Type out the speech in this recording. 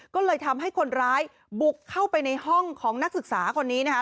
ก็เลยทำให้คนร้ายบุกเข้าไปในห้องของนักศึกษาคนนี้นะคะ